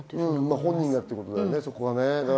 本人がということですね。